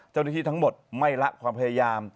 เจ้าหน้าที่ทั้งหมดไม่ละความพยายาม